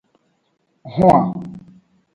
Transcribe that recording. Huan.